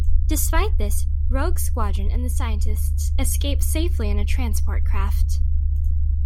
Despite this, Rogue Squadron and the scientists escape safely in a transport craft.